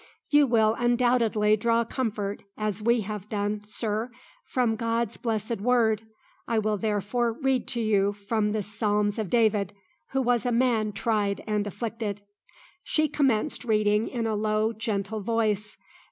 "You will undoubtedly draw comfort, as we have done, sir, from God's blessed Word. I will therefore read to you from the Psalms of David, who was a man tried and afflicted." She commenced reading in a low, gentle voice.